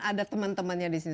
ada teman temannya di sini